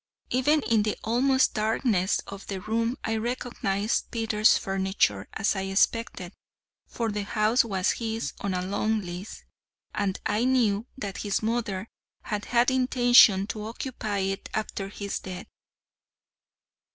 Even in the almost darkness of the room I recognised Peters' furniture, as I expected: for the house was his on a long lease, and I knew that his mother had had the intention to occupy it after his death.